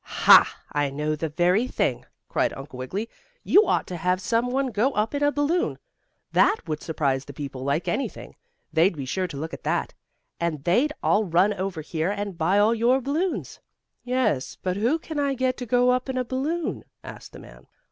"Ha! I know the very thing!" cried Uncle Wiggily. "You ought to have some one go up in a balloon. That would surprise the people like anything. They'd be sure to look at that, and they'd all run over here and buy all your balloons." "Yes, but who can I get to go up in a balloon?" asked the man.